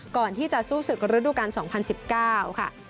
ก่อนที่จะสู้ศึกระดูกาล๒๐๑๙ค่ะ